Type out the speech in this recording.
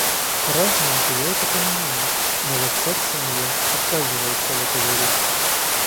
Разумом-то я это понимаю, но вот сердце моё отказывается в это верить.